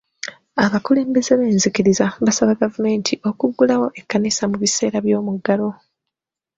Abakulembeze b'enzikiriza baasaba gavumenti okuggulawo ekkanisa mu biseera by'omuggalo.